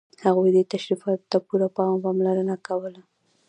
هغوی دې تشریفاتو ته پوره پام او پاملرنه کوله.